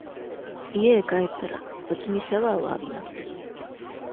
家へ帰ったら、先にシャワーを浴びます。